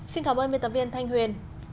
xin cảm ơn miên tập viên thanh huyền